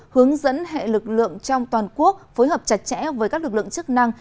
hướng dẫn hệ lực lượng trong toàn quốc phối hợp chặt chẽ với các lực lượng chức năng